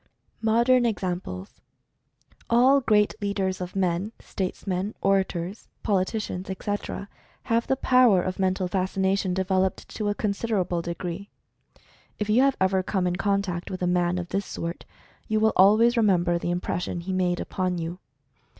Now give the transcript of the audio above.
MODERN EXAMPLES. All great leaders of men, statesmen, orators, politi cians, etc., have the power of Mental Fascination de veloped to a considerable degree. If you have ever come in contact with a man of this sort, you will al ways remember the impression he made upon you.